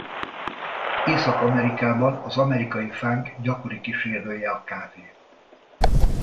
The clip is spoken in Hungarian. Észak-Amerikában az amerikai fánk gyakori kísérője a kávé.